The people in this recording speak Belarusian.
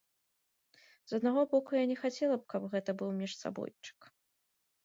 З аднаго боку, я не хацела б, каб гэта быў міжсабойчык.